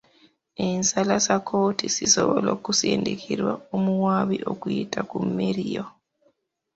Ensala za kkooti zisobola okusindikirwa omuwaabi okuyita ku mmeyiro.